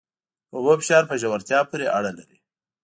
د اوبو فشار په ژورتیا پورې اړه لري.